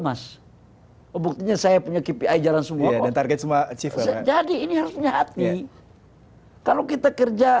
mas buktinya saya punya kipi jalan semua target semua jadi ini harusnya hati kalau kita kerja